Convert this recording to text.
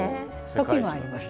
時もあります。